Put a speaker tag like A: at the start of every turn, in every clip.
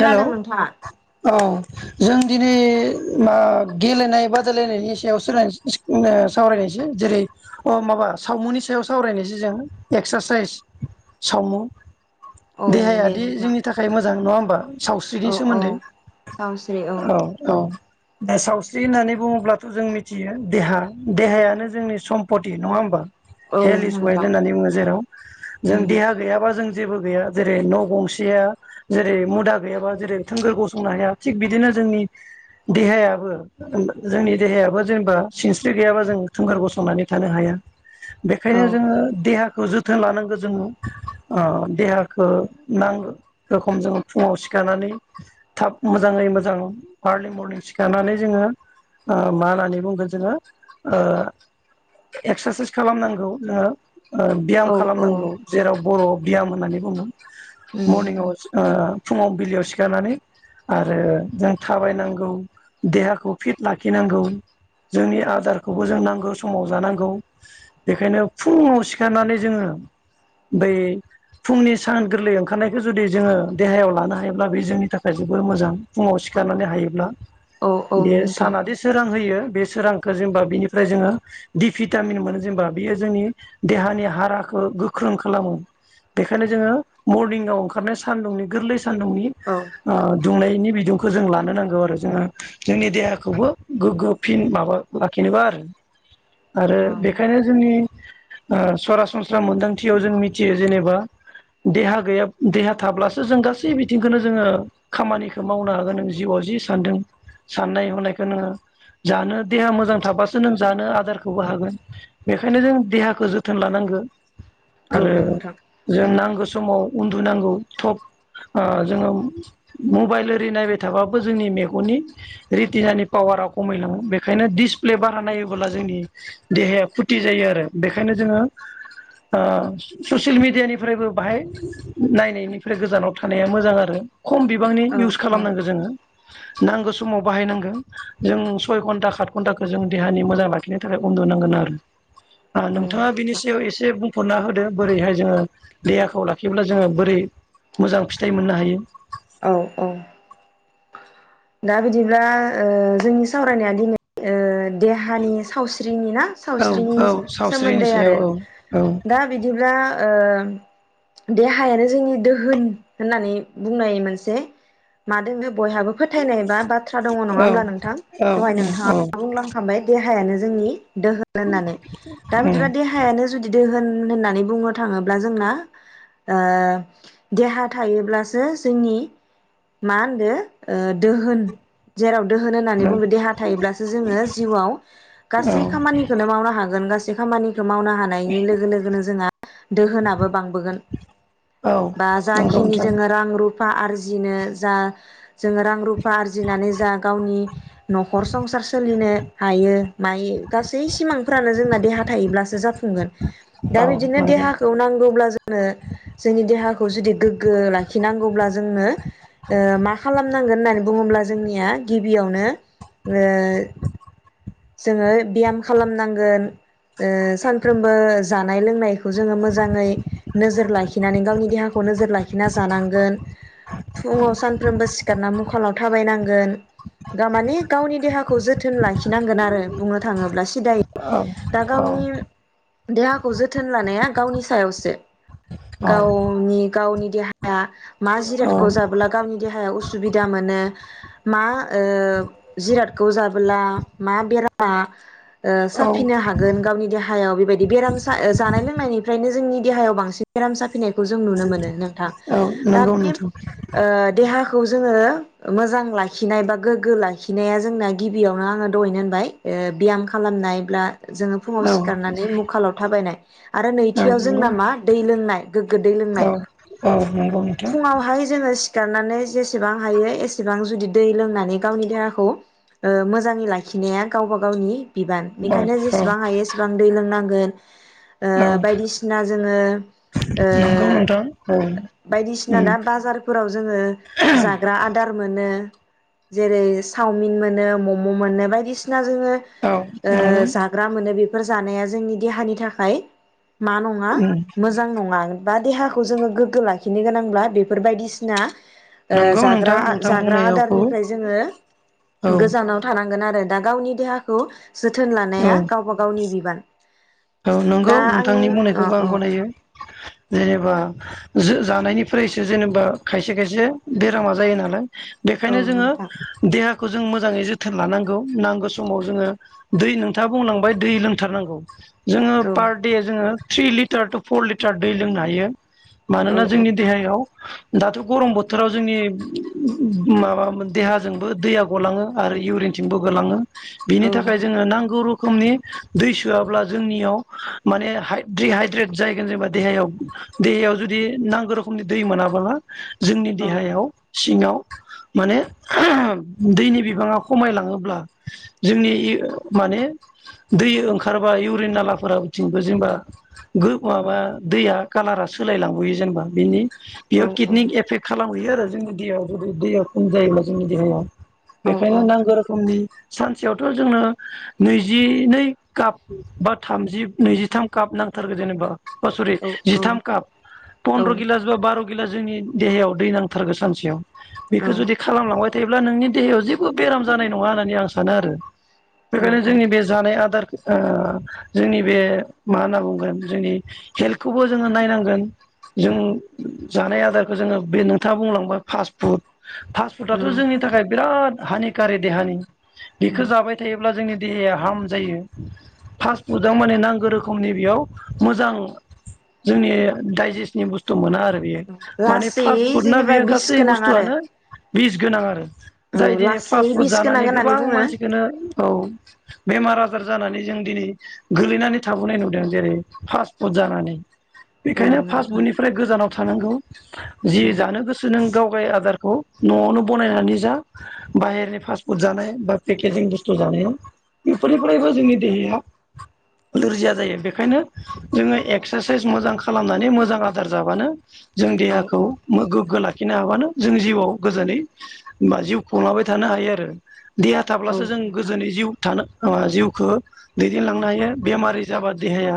A: हेल' औ
B: नोंथाङा
A: जों दिनै मा गेलेनाय बादायलायनायनि सायाव स सावरायनायसै जेरै माबा सावमुनि सायाव सावरायनायसै जों एक्सारसाइस सावमु
B: औ दे
A: देहायादि
B: नोंथां
A: जोंनि थाखाय मोजां नङा होमबा सावस्रिनि
B: औ औ
A: सोमोन्दै औ औ दा सावस्रि होननानै बुङोब्लाथ' जों मिथियो देहा देहायानो जोंनि सम्पत नङा होमबा
B: औ
A: हेल इस वाइट
B: नोंथां
A: होननानै बुङो जेराव जों
B: उम
A: देहा गैयाबा जों जेबो गैया जेरै न' गंसेया जेरै मुदा गैयाबा जेरै थोंगोर गसंनो हाया थिग बिदिनो जोंनि देहायाबो जोंनि देहायाबो जेनेबा सिनस्रि गैयाबा जों थोंगोर गसंनानै थानो हाया ।
B: औ
A: बेखायनो जोङो देहा खौ जोथोन लानांगौ जों ओ देहाखौ नांगौ रखोम जोङो फुङाव सिखारनानै थाब मोजाङै मोजां आरर्लि मरनिं सिखारनानै जोङो ओ मा होननानै बुंगोन जोङो ओ एक्सारसाइस खालामनांगौ ओ ब्याम
B: औ औ
A: खालामनांगौ जेराव बर' बियाम होननानै बुङो।
B: उम
A: मर्निं अवार्थ । ओ ओ फुङाव बिलोयाव सिखारनानै आरो जों थाबायनांगौ देहाखौ फिट लाखिनांगौ जोंनि आदारखौबो जों नांगौ समाव जानांगौ बेखायनो फुङाव सिखारनानै जोङो बै फुंनि सान गोरलै ओंखारनायखौ जुदि जोङो देहायाव लानो हायोब्ला बे जोंनि थाखाय जोबोर मोजां फुङाव सिखारनानै हायोब्ला
B: औ औ
A: । बे
B: नोंथां
A: सानादि सोरां होयो बे सोरांखौ जेनेबा बिनिफ्राय जोङो दि भिटामिन मोनो जेनेबा बियो जोंनि देहानि हाराखौ गोख्रों खालामो बेखायनो जोङो मर्निंआव [unintelligible] सानदुंनि गोरलै सान्दुंनि
B: औ
A: ओ दुंनायनि बिदुंखौ जों लानो नांगौ आरो जोङो जोंनि देहाखौबो गोग्गो फिन माबा लाखिनोबा आरो आरो
B: औ
A: बेखायनो जोंनि ओ सरासनस्रा मोनदांथियाव जों मिथियो जेनेबा देहा गैयाब देहा थाब्लासो जों गासै बिथिंखौनो जोङो खामानिखौ मावनो हागोन नों जिउआव जि सानदों साननाय हनायखौ नोङो जानो देहा मोजां थाबासो नों जानो आदारखौबो हागोन बेखायनो जों देहाखौ जोथोन लानांगोन ।
B: औ
A: आरो
B: नोंथां
A: जों नांगौ समाव उन्दुनांगौ थब ओ जोङो मबाइल ओरि नायबाय थाबाबो जोंनि मेगननि रितिनानि पावारा खमायलाङो बेखायनो दिसप्ले बारा नायोबोला जोंनि देहाया फुथि जायो आरो बेखायनो जोङो ओ ससियेल मेडियानिफ्रायबो बाहाय नायनायनिफ्राय गोजानाव थानाया मोजां आरो खम बिबांनि
B: औ
A: इउस
B: औ
A: खालामनांगौ जोङो । नांगौ समाव बाहायनांगोन जों सय घन्टा सात घन्टाखौ जों देहानि मोजां लाखिनो थाखाय उन्दुुनांगोन आरो
B: औ
A: नोंथाङा बिनि
B: नोंथां
A: सायाव एसे बुंफोर'ना होदो बोरैहाय जोङो देहाखौ लाख खिब्ला जोङो बोरै मोजां फिथाइ मोननो हायो।
B: औ औ । दा बिदिब्ला ओ जोंनि सावरायनाया दिनै ओ देहानि सावस्रिनि ना?
A: औ
B: सावस्रिनि
A: औ सावस्रिनि
B: सोमोन्दै आरो
A: सायाव औ औ
B: दा बिदिब्ला ओ देहायानो जोंनि दोहोन होननानै बुंनाय मोनसे मादों बे बयहाबो फोथायनाय बा बाथ्रा दङ नङा
A: औ
B: होनोमब्ला नोंथां दहाय नोंथाङा बुंलांखांबाय देहायानो जोंनि दोहोन होननानै दा
A: औ
B: बिदिबा देहायानो जुदि दोहोन होननानै बुंनो थाङोब्ला जोंना ओ देहा थायोब्लासो जोंनि मा होनो ओ दोहोन जेराव दोहोन होन्नानै
A: औ
B: बुङो देहा थायोब्लासो जोङो जिउयाव गासै
A: औ
B: खामानिखौनो मावनो हागोन । बे खामानि खौ मावनो हानायनि लोगो लोगोनो जोंहा दोहोनाबो बां बोगोन
A: औ
B: बा
A: नंगौ
B: जाखिनि
A: नोंथां
B: जों रां रुप रुफा आरजिनो जा जोङो रां रुफा आरजिनानै जा गावनि न'खर संसार सोलिनो हायो मायो गासै सिमांफ्रानो जोंना देहा थायोब्लासो जाफुंगोन दा
A: औ
B: बिदिनो
A: नंगौ
B: देहाखौ नांगौब्ला जो ङो जोंनि देहाखौ जुदि गोग्गो लाखिनांगौब्ला जोंनो ओ मा खालामनांगोन होननानै बुङोब्ला जोंनिया गिबियावनो जोङो ब्याम खालामनांगोन ओ सानफ्रोमबो जानाय लोंनाय खौ जोङो मोजाङै नोजोर लाखिनानै गावनि देहाखौ नोजोर लाखिना जानांगोन फुङाव सानफ्रोमबो सिखारना मुख गोलाव थाबायनांगोन गामाने गावनि देहाखौ जोथोन लाखि नांगोन आरो बुंनो थाङोब्ला [unintelligible]
A: औ
B: दा गावनि
A: औ
B: देहाखौ जोथोन लानाया गावनि सायावसो।
A: औ
B: गावनि गावनि देहाया मा
A: औ
B: जिरादखौ जाबोला गावनि देहाया अस सुबिदा मोनो मा ओ जिरादखौ जाबोला मा बेरामा ओ
A: औ
B: साफिनो हागोन गावनि देहायाव बेबायदि बेराम जानाय लोंनायनिफ्रायनो जोंनि देहायाव बांसिन बेराम जाफैनाय जों नुनो मोनो नोंथां ओ
A: औ
B: दा
A: नंगौ
B: बे
A: नोंथां
B: देहा जोङो मोजां लाखिनाय बा गोग्गो लाखिनाया जोंना गिबियावनो आङो दहैनो होनबाय बियाम खालामनायब्ला जोङो फुङाव
A: औ
B: सिखारनानै मुखालाव थाबायनाय आरो नैथियाव
A: नंगौ
B: जोंना मा दै लोंनाय गोग्गो दै
A: औ
B: लोंनाय
A: औ नंगौ नोंथां
B: फुङावहाय जोङो सिखारनानै जेसेबां हायो एसेबां जुदि दै लोंनानै गावनि देहाखौ ओ मोजाङै लाखिनाया गावबा गावनि बिबान
A: औ
B: बेनिखायनो
A: औ
B: जेसेबां हायो एसेबां दै लोंनांगोन। ओ
A: औ
B: बायदिसिना जोङो ओ
A: नंगौ नोंथां औ
B: बायदिसिना
A: उम
B: दा बाजारफोराव जोङो जाग्रा आदार मोनो जेरे सावमिन मोनो मम मोनो बायदि सिना जोङो
A: औ
B: ओ
A: नंगौ
B: जाग्रा मोनो बेफ फोर जानाया जोंनि देहानि थाखाय मा नङा
A: उम
B: मोजां नङा। बा देहाखौ जोङो गोगो लाख खिनो गोनांब्ला बेफोर बायदिसिना ओ
A: नंगौ
B: जाग्रा
A: नोंथां नोंथां
B: जाग्रा
A: बुंनायावखौ
B: आदारनिफ्राय जोङो
A: औ
B: गोजानाव थानांगोन आरो। दा गावनि देहाखौ जोथोन
A: औ
B: लानाया गावबा गावनि बिबान।
A: औ नंगौ
B: दा आंनि
A: नोंथांनि
B: अ
A: बुंनायखौबो आं
B: औ
A: गनायो। जेनेबा जो जानायनिफ्रायसो जेनेबा खायसे खायसे बेरामा जायो नालाय।
B: औ
A: बेखायनो जोङो
B: नोंथां
A: देहाख खौ जों मोजाङै जोथोन लानांगौ नांगौ समाव जोङो दै नोंथाङा बुंलांबाय दै लोंथारनांगौ। जोङो
B: औ
A: पार दे जोङो three litre to four litre दै लोंनो हायो मानोना
B: औ
A: जोंनि देहायाव दाथ' गरम बोथोराव जोंनि माबाम देहाजोंबो दैया गलाङो आरो इउरिनथिंबो गोलाङो।
B: औ
A: बिनि थाखाय जोङो नांगौ रु खोनि दै सोआब्ला जोंनियाव माने हाय दिहाइद्रेट जाहैगोन जेनेबा देहायाव देहायाव जुदि नांगो रोखमनि दै मोनाबोला। जोंनि
B: औ
A: देहायाव सिङाव माने दैनि बिबाङा खमायलाङोब्ला जोंनि माने दै ओंखारबा इउ ब्रेन नालाफोरा उनथिंबो जेनबा गो माबा दैया कालारा सोलायलांबोयो जेनेबा बेनि
B: औ
A: बेयाव किडनिख एफेक्ट खालामहैयो। फोरा जोंनि देहायाव जुदि दैया खम जायोब्ला जोंनि देहायान बेखायनो नांगो रोखोमनि सानसेयावथ' जोंनो नैजिनै काप बा थामजि नैजिथाम काप नांथारगो जेनेबा अ स'रि
B: औ
A: जिथाम काप
B: औ
A: पन्द्र' गिलास बा बार' गैला जोंनि देहायाव दै नांथारगो सानसेयाव बेखो जुदि खालामलांबाय थायोब्ला नोंनि देहायाव जेबो बेराम जानाय नङा होननानै आं सानो आरो बेखायनो जोंनि बे जानाय आदार ओ जोंनि बे मा होनना बुंगोन जोंनि हेल्थखौबो जोङो नायनांगोन जों जानाय आदारखो जोङो बे नोंथाङा बुंलांबाय फास्ट फुड फास्टफुड आथ' जोंनि थाखाय बिराद हानिकारि देहानि। बेखो जाबाय थायोब्ला जोंनि देहाया हार्म जायो फास्ट उदां माने नांगो रोखोमनि बेयाव मोजां जोंनि दाइजेस्टनि बुस्थु मोना आ बेयो माने
B: लासै
A: फास्ट फुड ना
B: जेनेबा
A: बेयो
B: बिस
A: गासै
B: गोनां आरो
A: बुस्थुआनो बिस गोनां आरो
B: औ
A: जाय दिनै
B: लासै
A: फास्ट फुड
B: बिस गोनां
A: जानानै
B: होननानै
A: गोबां
B: बुङो
A: मानसिखोनो औ बेमार आजार जानानै जों दिनि गोलैनानै थाबोनाय नुदों जेरै फास्टफुड जानानै
B: औ
A: बेखायनो
B: नोंथां
A: फास्टफुडनिफ्राय गोजानाव थानांगौ । जि
B: उम
A: जानो गोसो नों गावगाय आदारखौ न'आवनो ब'नायनानै जा बाहेरनि फास्टफुड जानाय बा पेकेजिं बुस्थु जानायाव बेफोरनिफ्रायबो जोंनि देहाया लोरजिया जायो बेखायनो जोङो एक्सारसाइस मोजां खालामनानै मोजां आदार जाबानो जों
B: औ
A: देहाखौ
B: औ
A: मो गोग्गो लाखिनो हाबानो जों जिउआव गोजोनै बा जिउ खुंलांबाय थानो हायो आरो । देहा
B: औ
A: थाब्लासो जों
B: नोंथां
A: गोजोनै जिउ थानो ओ जिउखो दै देलांनो हायो बेमारि जाबा देहाया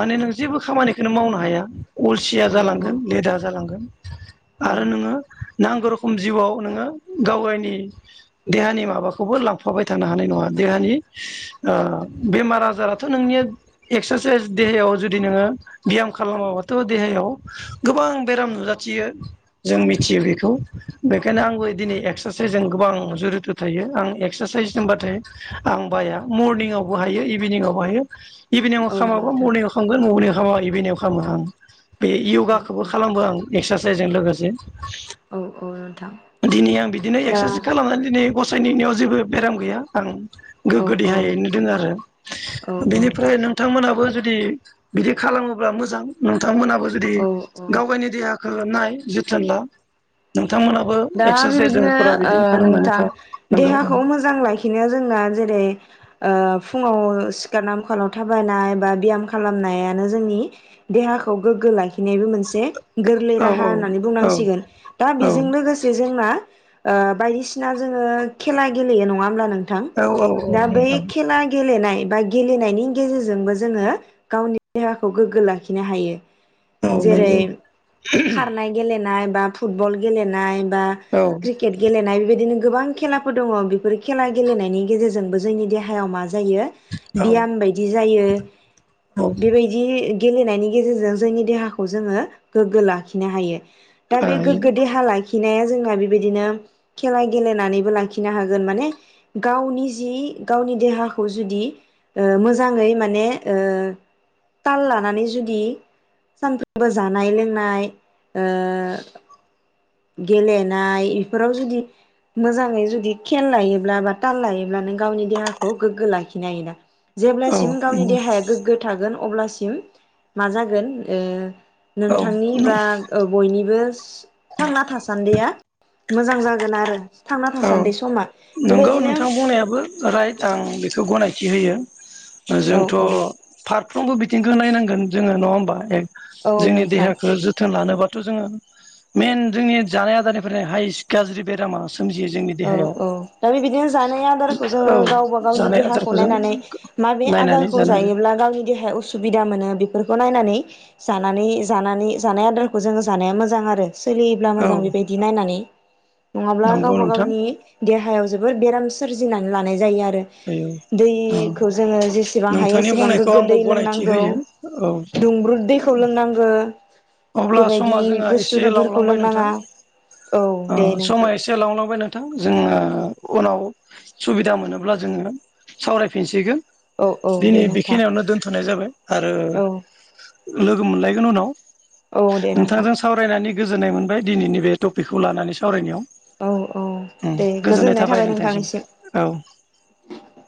A: माने नों जेबो खामानिखोनो मावनो हाया अलसिया
B: औ औ
A: जालांगोन लेदा जालां गोन
B: औ
A: आरो नोङो नांगौ र'खम जिउआव नोङो गावगायनि देहानि माबाखौबो लांफाबाय थानो हानाय नङा देहानि ओ बेमार आजाराथ' नोंनि एक्सारसाइस देहायाव जुदि नोङो बियाम खालामाबाथ' देहायाव गोबां बेराम नुजाथियो जों मिथियो बेखौ बेखायनो आंबो दिनै एक्सारसाइसजों गोबां जुरिथ' थायो आं एक्सारसाइस होनबाथाय आं बाया मरनिंआव बो हायो इभिनिंआवबो हायो इभिनिंआव
B: औ
A: खामाबा
B: नोंथां
A: मरनिंआव खामगोन मरनिं खामा इभिनिंआव खामो आं । बे
B: औ
A: यगाखौबो
B: औ
A: खालामो आं । एक्सारसाइसजों लोगोसे
B: औ औ नोंथां
A: । दिनै आं बिदिनो
B: दा
A: एक्सारसाइस खालामनानै दिनै गस सायनिनियाव जेबो बेराम गैया आं
B: औ
A: गोग्गो
B: औ
A: देहायैनो दोङो आरो ।
B: औ
A: बेनिफ्राय नोंथांमोनाबो जुदि बिदि खालामोब्ला मोजां नोंथांमोना बो जुदि
B: औ औ
A: गावगायनि देहाखौ नाय । जोथोन ला नोंं
B: दा बेबायदिनो ओ
A: खालामनानै
B: नोंथां
A: था नंगौ
B: देहाखौ मोजां लाखिनो जोंना जेरै ओ फुङाव सिखारना मखालाव थाबायनाय बा ब्याम खालामनायानो जोंनि देहाखौ गोग्गो लाखिनायबो मोनसे गोरलै
A: औ
B: राहा होननानै
A: औ
B: बुंनांसिगोन । दा
A: औ
B: बेजों लोगोस ओ बायदिसिना जोङो खेला गेलेयो नङा होमला नों थां
A: औ औ
B: दा बै
A: नोंथां
B: खेला गेलेनाय बा गेलेनायनि गेजेरजोंबो जोङो गावनि देहाखौ गोग्गो लाखिनो हायो ।
A: औ
B: जेरै
A: नंगौ
B: खारनाय गेलेनाय बा फुटबल गेलेनाय बा
A: औ
B: क्रिकेट गेलनाय बेबायदिनो गोबां खेलाफोर दङ बेफोर खेला गेलेनायनि गेजेरजोंबो जोंनि देहायाव मा मा जायो
A: औ
B: बियाम बायदि जायो
A: औ
B: बेबायदि गेलेनायनि गेजेरजों जोंनि देहाखौ जोङो गोग्गो लाखिनो हायो दा बे
A: हायो
B: गोग्गो देहालाखि नाया जोंहा बेबायदिनो खेला गेलेनानैबो लाखिनो हागोन माने गावनि जि गावनि देहाखौ जुदि ओ मोजाङै माने ओ ताल लानानै जुदि सानफ्रोमबो जानाय लोंनाय ओ गेलेनाय इफोराव जुदि मोजाङै जुदि खेल लायोब्ला बा ताल लायोब्ला नों गावनि देहाखौ गोग्गो लाखिनो हायो ना जेब्लासिम गावनि
A: औ
B: देहाया गोग्गो थागोन अब्लासिम मा जागोन ओ नोंथांनि बा
A: औ
B: ओ बयनिबो थांना थासान्दिया मोजां जागोन आरो थांना
A: औ
B: थासान्दि समा
A: नंगौ
B: बेबायदिनो
A: नोंथां बुंनायाबो राइट आं बेखौ गनायसै थि होयो
B: औ
A: जोंथ
B: औ
A: फार फ्रोमबो बिथिंखौ नायनांगोन जोङो नङा होमबा ए
B: औ
A: जोंनि
B: नोंथां
A: देहाखौ जोथोन लानोबाथ' जोङो मेइन जोंनि जानाय आदारनिफ्रायनो हाइस गाज्रि बेरामा सोमजियो जोंनि
B: औ
A: देहायाव
B: औ दा बेबायदिनो जानाय आदारखौ जोङो
A: औ
B: गावबा गावनि
A: जानाय
B: देहाखौ
A: आदारखौ जों
B: नायनानै माबे
A: नायनानै
B: आदारखौ
A: जानांगौ
B: जायोब्ला गावनि देहाया उसुबिदा मोनो बे बेफोरखौ नायनानै जानानै जानानै जानाय आदारखौ जोङो जानाया मोजां आरो । सोलियोब्ला
A: औ
B: मोजां बेबायदि नायनानै नङाब्ला गाव
A: नंगौ
B: गाव
A: नोंथां
B: गावनि देहा याव जोबोद बेराम सोरजिनानै लानाय जायो आरो ।
A: औ
B: आरो
A: औ
B: दैखौ जोङो जेसेबां हायो
A: नोंथांनि
B: एसेबां
A: बुंनायखौ
B: गोग्गो
A: आंबो
B: दै
A: गनायथि
B: लोंनांगौ
A: होयो औ
B: दुंब्रुद दैखौ लांनांगोन ।
A: अब्ला समा जोंहा एसे लावलांबाय नोंथां
B: लोंनाङा औ
A: ओ
B: दे नोंथां
A: समा एसे लावलांबाय नोंथां । जोङो उनाव सुबिदा मोनोब्ला जोङो सावरायफिनसिगोन
B: औ औ
A: ।
B: दे
A: दिनै
B: नोंथां
A: बेखिनियावनो दोनथ'नाय जाबाय ।
B: औ
A: आरो लोगो मोनलायगोन उनाव
B: औ दे नोंथां
A: नोंथांजों सावरायनानै गोजोननाय मोनबाय दिनैनि बे टपिकखौ लानानै सावरायनायाव ।
B: औ औ दे गोजोननाय थाबाय नोंथांनिसिम
A: औ
B: ।